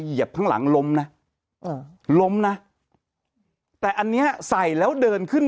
เหยียบข้างหลังล้มนะเออล้มนะแต่อันเนี้ยใส่แล้วเดินขึ้น